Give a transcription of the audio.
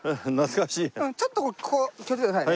ちょっとここ気をつけてくださいね。